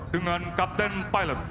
dengan kapten pilot